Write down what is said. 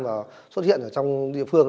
và xuất hiện ở trong địa phương